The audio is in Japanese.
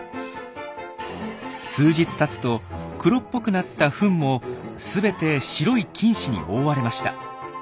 数日たつと黒っぽくなったフンも全て白い菌糸に覆われました。